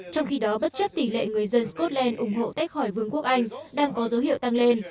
trong khi đó bất chấp tỷ lệ người dân scotland ủng hộ tách khỏi vương quốc anh đang có dấu hiệu tăng lên